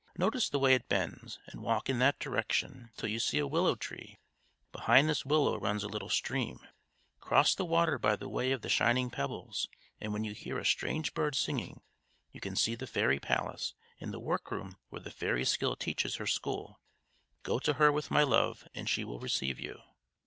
Notice the way it bends, and walk in that direction till you see a willow tree. Behind this willow runs a little stream. Cross the water by the way of the shining pebbles, and when you hear a strange bird singing you can see the fairy palace and the workroom where the Fairy Skill teaches her school. Go to her with my love and she will receive you."